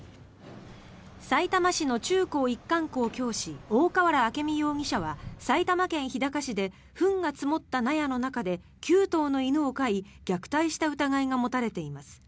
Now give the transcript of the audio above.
さいたま市の中高一貫校教師大河原明美容疑者は埼玉県日高市でフンが積もった納屋の中で９頭の犬を飼い虐待した疑いが持たれています。